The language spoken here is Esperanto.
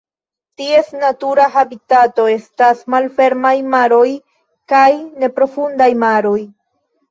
Ties natura habitato estas malfermaj maroj kaj neprofundaj maroj.